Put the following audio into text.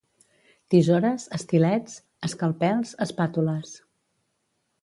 Tisores, estilets, escalpels, espàtules.